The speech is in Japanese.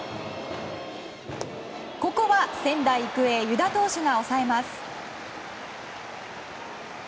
ここは仙台育英湯田投手が抑えます。